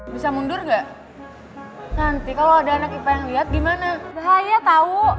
bisa mundur gak nanti kalau ada anak ipa yang liat gimana bahaya tau